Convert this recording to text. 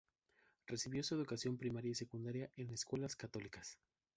Recibió su educación primaria y secundaria en escuelas católicas.